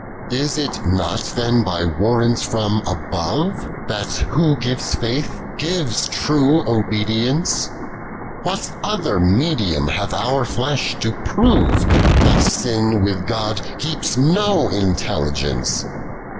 * 72. Is it not then bv warrant from above, That who gives faith, gives true obedience ? What other meilium hath our flesh to prove That sin with God keeps no intelligence?